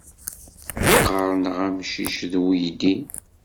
Ɣerneɣ amcic ed weydi